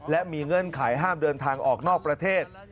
และมีเงื่อนไขห้ามเดินทางออกนอกประเทศ